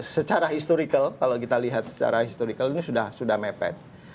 secara historical kalau kita lihat secara historical ini sudah mepet